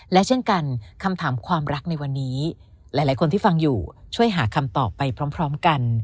และเช่นกันคำถามความรักในวันนี้หลายคนที่ฟังอยู่ช่วยหาคำตอบไปพร้อมกัน